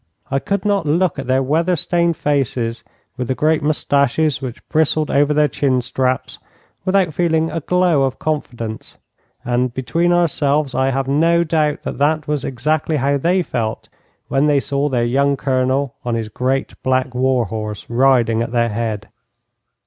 I could not look at their weather stained faces, with the great moustaches which bristled over their chin straps, without feeling a glow of confidence, and, between ourselves, I have no doubt that that was exactly how they felt when they saw their young Colonel on his great black war horse riding at their head.